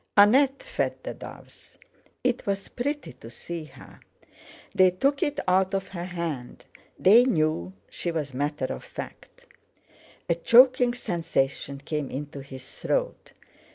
Annette fed the doves; it was pretty to see her. They took it out of her hand; they knew she was matter of fact. A choking sensation came into his throat.